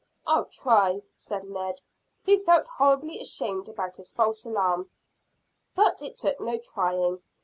"I'll try," said Ned, who felt horribly ashamed about his false alarm. But it took no trying.